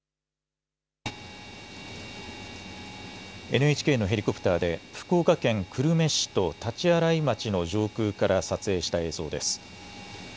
ＮＨＫのヘリコプターで福岡県久留米市と大刀洗町の上空から撮影した映像です。